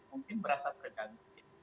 mungkin berasa terganggu